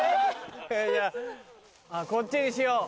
えっじゃあこっちにしよう。